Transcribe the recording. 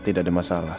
tidak ada masalah